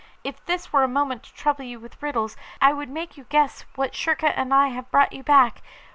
If this were a moment to trouble you with riddles, I would make you guess what Schurka and I have brought you back.